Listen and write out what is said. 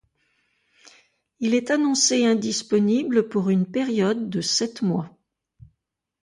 Il est annoncé indisponible pour une période de sept mois.